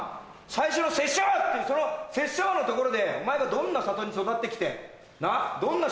最初の「拙者が」っていうその「拙者が」のところでお前がどんな里に育って来てな